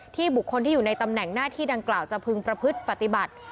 บุคคลที่อยู่ในตำแหน่งหน้าที่ดังกล่าวจะพึงประพฤติปฏิบัติ